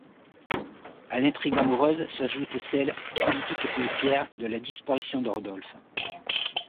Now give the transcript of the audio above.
À l’intrigue amoureuse, s’ajoute celle, politique et policière, de la disparition de Rodolphe.